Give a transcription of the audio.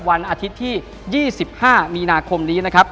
วันอาทิตย์ที่๒๕มีนาคมนี้นะครับ